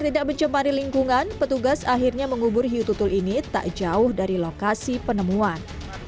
tidak mencemari lingkungan petugas akhirnya mengubur hiu tutul ini tak jauh dari lokasi penemuan